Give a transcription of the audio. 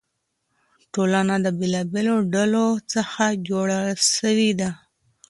ټولنه د بېلابېلو ډلو څخه جوړه سوې ده.